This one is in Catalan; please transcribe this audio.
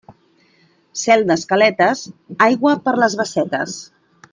Cel d'escaletes, aigua per les bassetes.